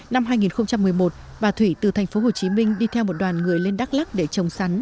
năm hai nghìn một mươi một bà thủy từ thành phố hồ chí minh đi theo một đoàn người lên đắk lắc để trồng sắn